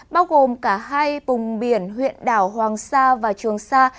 bao gồm cả hai vùng biển huyện đảo hoàng sa và trường sa